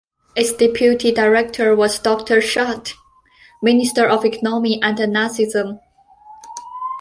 Its deputy director was Doctor Schacht, Minister of Economy under Nazism.